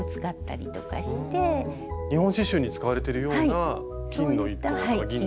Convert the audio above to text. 日本刺しゅうに使われているような金の糸とか銀の糸。